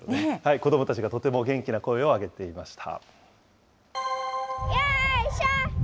子どもたちがとても元気な声を上げていました。